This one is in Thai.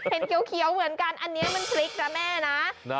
เห็นเขียวเหมือนกันอันนี้มันพริกนะแม่นะ